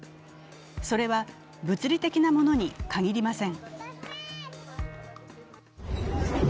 それは物理的なものに限りません。